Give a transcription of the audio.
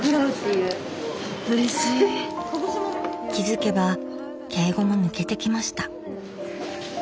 気づけば敬語も抜けてきました。